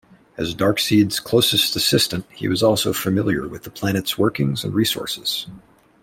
As Darkseid's closest assistant, he was also familiar with the planet's workings and resources.